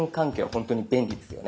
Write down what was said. ほんとに便利ですよね。